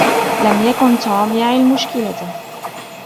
لم يكن "توم" يعي المشكلة